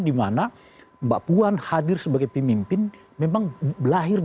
dimana mbak puan hadir sebagai pemimpin memang lahir dari proses yang wajar gitu